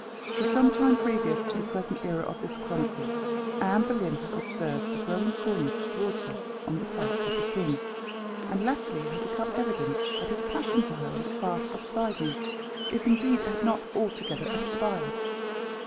For some time previous to the present era of this chronicle, Anne Boleyn had observed a growing coolness towards her on the part of the king, and latterly it had become evident that his passion for her was fast subsiding, if indeed it had not altogether expired.